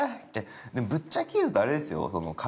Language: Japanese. ぶっちゃけ言うとあれですよ